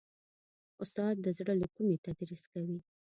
استاد د زړه له کومي تدریس کوي.